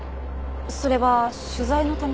それは取材のために？